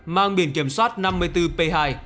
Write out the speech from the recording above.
mang biển kiểm soát năm mươi bốn p hai sáu trăm sáu mươi sáu